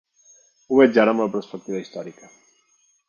Ho veig ara amb la perspectiva històrica.